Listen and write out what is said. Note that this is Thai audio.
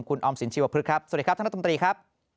คุณออมสินชีวพฤกษ์สวัสดีครับท่านรัฐมนตรีครับ